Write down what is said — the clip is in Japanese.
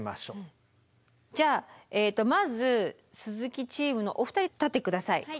じゃあまず鈴木チームのお二人立って下さい。